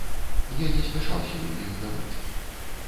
Я не спяшаўся яе выдаваць.